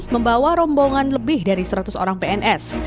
membawa rombongan lebih dari seratus orang pns